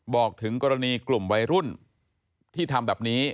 บอกถึงกรณีกลุ่มวัยรุ่นที่ทำแบบนี้